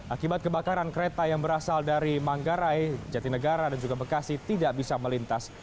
akibat kebakaran kereta yang berasal dari manggarai jatinegara dan juga bekasi tidak bisa melintas